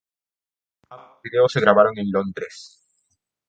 Ambos vídeos se grabaron en Londres.